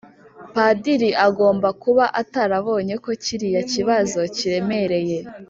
Padiri agomba kuba atarabonye ko kiriya kibazo kiremereye.